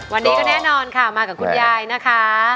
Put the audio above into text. วันนี้ก็แน่นอนค่ะมากับคุณยายนะคะ